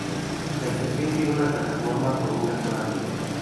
La estación tiene una plataforma con una sola vía.